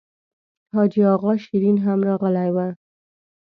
حاجي اغا شېرین هم راغلی و.